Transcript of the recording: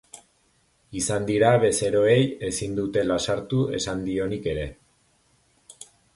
Izan dira bezeroei ezin dutela sartu esan dionik ere.